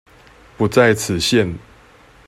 不在此限